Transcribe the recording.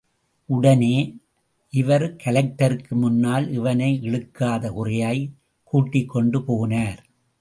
உடனே, இவர் கலெக்டருக்கு முன்னால் இவனை இழுக்காத குறையாய் கூட்டிக்கொண்டு போனார்.